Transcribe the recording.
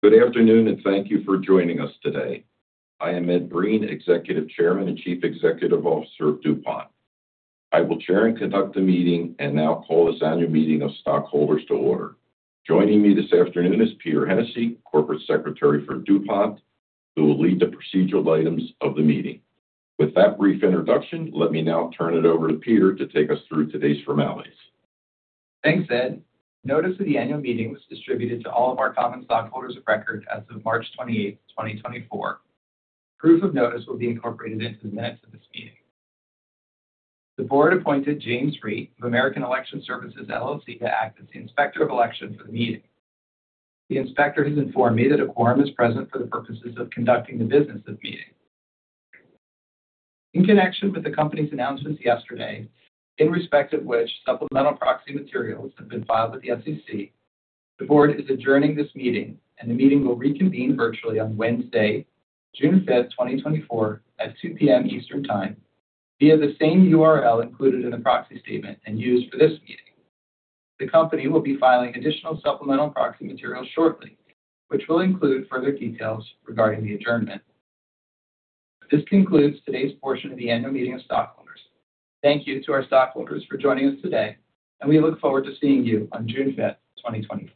Good afternoon, and thank you for joining us today. I am Ed Breen, Executive Chairman and Chief Executive Officer of DuPont. I will chair and conduct the meeting and now call this annual meeting of stockholders to order. Joining me this afternoon is Peter Hennessey, Corporate Secretary for DuPont, who will lead the procedural items of the meeting. With that brief introduction, let me now turn it over to Peter to take us through today's formalities. Thanks, Ed. Notice of the annual meeting was distributed to all of our common stockholders of record as of March 28th, 2024. Proof of notice will be incorporated into the minutes of this meeting. The board appointed James Raitt of American Election Services, LLC, to act as the Inspector of Election for the meeting. The inspector has informed me that a quorum is present for the purposes of conducting the business of the meeting. In connection with the company's announcements yesterday, in respect of which supplemental proxy materials have been filed with the SEC, the board is adjourning this meeting, and the meeting will reconvene virtually on Wednesday, June 5th, 2024, at 2:00 P.M. Eastern Time, via the same URL included in the proxy statement and used for this meeting. The company will be filing additional supplemental proxy materials shortly, which will include further details regarding the adjournment. This concludes today's portion of the annual meeting of stockholders. Thank you to our stockholders for joining us today, and we look forward to seeing you on June 5th, 2024.